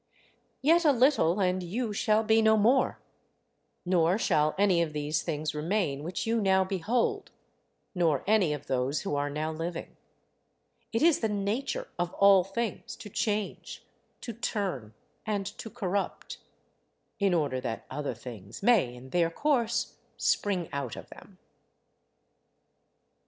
Yet a little, and you shall be no more; nor shall any of these things remain which you now behold, nor any of those who are now living. It is the nature of all things to change, to turn, and to corrupt; in order that other things may, in their course, spring out of them. 22.